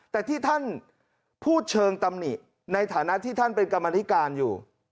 แต่ที่ท่านพูดเชิงตำหนิในฐานะที่ท่านเป็นกรรมนิการอยู่